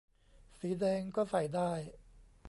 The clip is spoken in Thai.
สีแดงก็ใส่ได้